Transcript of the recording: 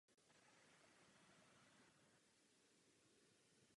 V rámci svého výzkumu se zabýval také vývojem přístrojové techniky pro pozorování Slunce.